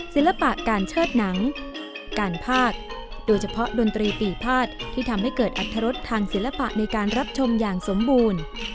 ศิลปะการเชิดหนังการภาคโดยเฉพาะดนตรีปีภาษที่ทำให้เกิดอัตรรสทางศิลปะในการรับชมอย่างสมบูรณ์